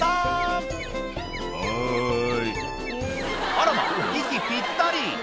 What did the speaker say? あらま息ぴったり！